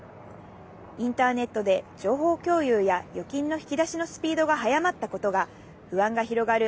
インターネットで情報共有や預金の引き出しのスピードが早まったことが、不安が広がる